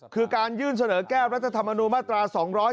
คือการยื่นเสนอแก้วัตถามอนุมาตรา๒๗๒